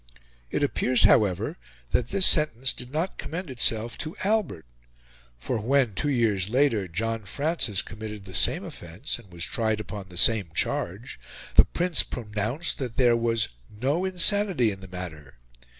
It appears, however, that this sentence did not commend itself to Albert, for when, two years later, John Francis committed the same of fence, and was tried upon the same charge, the Prince propounced that there was no insanity in the matter.